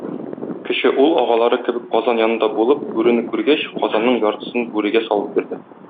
Кече ул агалары кебек казан янында булып, бүрене күргәч, казанының яртысын бүрегә салып бирде.